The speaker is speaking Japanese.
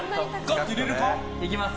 いきます！